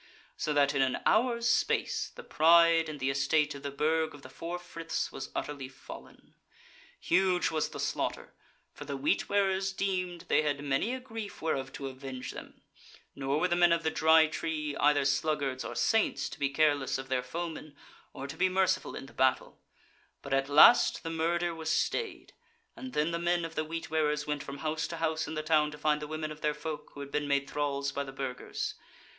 So that in an hour's space the pride and the estate of the Burg of the Four Friths was utterly fallen. Huge was the slaughter; for the Wheat wearers deemed they had many a grief whereof to avenge them; nor were the men of the Dry Tree either sluggards or saints to be careless of their foemen, or to be merciful in the battle: but at last the murder was stayed: and then the men of the Wheat wearers went from house to house in the town to find the women of their folk who had been made thralls by the Burgers.